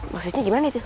maksudnya gimana itu